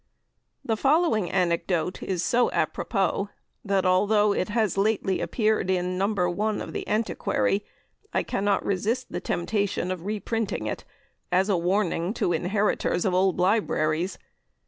The following anecdote is so apropos, that although it has lately appeared in No. 1 of The Antiquary, I cannot resist the temptation of re printing it, as a warning to inheritors of old libraries.